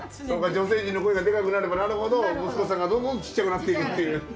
そうか女性陣の声がでかくなればなるほど息子さんがどんどんちっちゃくなっていくっていう。